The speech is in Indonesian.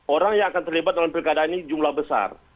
orang yang akan terlibat dalam pilkada ini jumlah besar